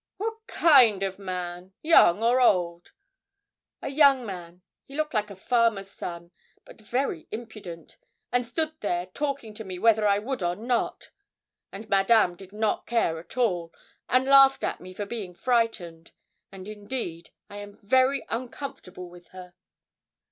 'What kind of man young or old?' 'A young man; he looked like a farmer's son, but very impudent, and stood there talking to me whether I would or not; and Madame did not care at all, and laughed at me for being frightened; and, indeed, I am very uncomfortable with her.'